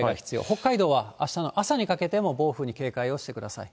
北海道はあしたの朝にかけても暴風に警戒をしてください。